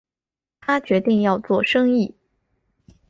他决定要做生意